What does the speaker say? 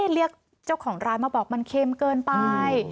เรียกเจ้าของร้านมาบอกมันเค็มเกินไป